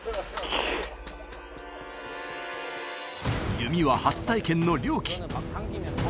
弓は初体験のＲＹＯＫＩ